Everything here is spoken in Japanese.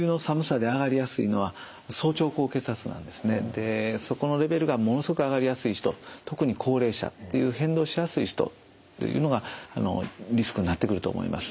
でそこのレベルがものすごく上がりやすい人特に高齢者っていう変動しやすい人というのがリスクになってくると思います。